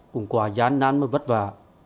cũng quá gian nan và vất vả